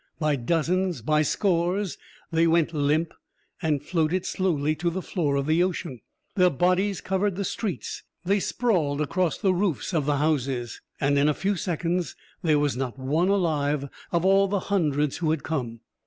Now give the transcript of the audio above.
By dozens, by scores, they went limp and floated slowly to the floor of the ocean. Their bodies covered the streets, they sprawled across the roofs of the houses. And in a few seconds there was not one alive of all the hundreds who had come!